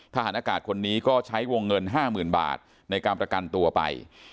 ทหารอากาศคนนี้ก็ใช้วงเงิน๕๐๐๐บาทในการประกันตัวไป